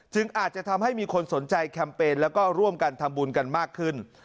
อาจจะทำให้มีคนสนใจแคมเปญแล้วก็ร่วมกันทำบุญกันมากขึ้น